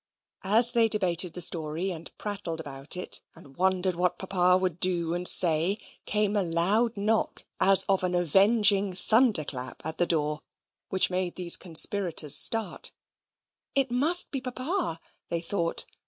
As they debated the story, and prattled about it, and wondered what Papa would do and say, came a loud knock, as of an avenging thunder clap, at the door, which made these conspirators start. It must be Papa, they thought.